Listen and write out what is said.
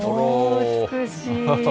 美しい。